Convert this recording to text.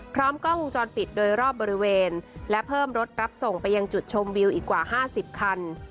พร้อมกล้องวงจรปิดโดยรอบบริเวณและเพิ่มรถรับส่งไปยังจุดชมวิวอีกกว่า๕๐คัน